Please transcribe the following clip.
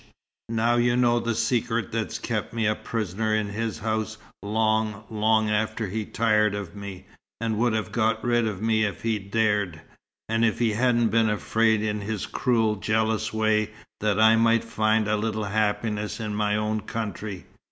Now you know the secret that's kept me a prisoner in his house long, long after he'd tired of me, and would have got rid of me if he'd dared and if he hadn't been afraid in his cruel, jealous way, that I might find a little happiness in my own country.